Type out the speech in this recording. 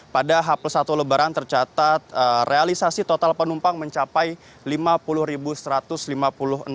pada hapus satu lebaran tercatat realisasi total penumpang mencapai lima puluh ribu